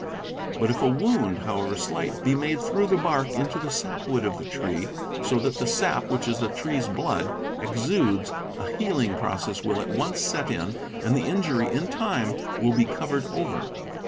But if a wound, however slight, be made through the bark into the sap wood of the tree, so that the sap, which is the tree's blood, exudes, a healing process will at once set in, and the injury, in time, will be covered over.